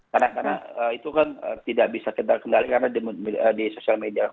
karena itu kan tidak bisa kita kendalikan di sosial media